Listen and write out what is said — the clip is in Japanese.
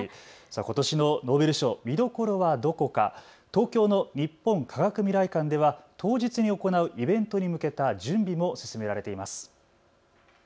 ことしのノーベル賞見どころはどこか、東京の日本科学未来館では当日に行うイベントに向けた準備も進められています。